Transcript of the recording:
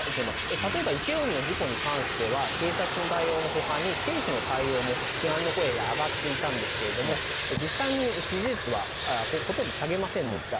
例えば、イテウォンの事故に関しては、警察の対応のほかに、政府の対応も批判の声が上がっていたんですけれども、実際に支持率は、ほとんど下げませんでした。